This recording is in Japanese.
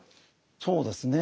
そうですね。